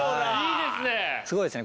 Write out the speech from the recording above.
すごいですね